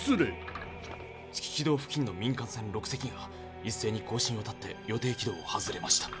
月軌道付近の民間船６隻がいっせいに交信をたって予定軌道を外れました。